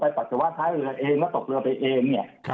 สามารถวาถองไปเองเนี่ย